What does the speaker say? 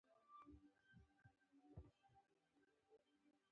پښتانه د کشتۍ او نورو فزیکي لوبو دود لري.